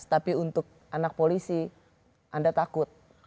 tapi untuk anak polisi anda takut